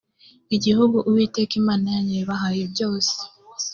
igihugu uwiteka imana yanyu yabahaye byose